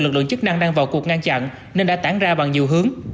lực lượng chức năng đang vào cuộc ngăn chặn nên đã tản ra bằng nhiều hướng